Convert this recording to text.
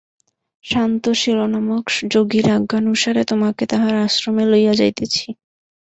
শান্তশীলনামক যোগীর আজ্ঞানুসারে তোমাকে তাঁহার আশ্রমে লইয়া যাইতেছি।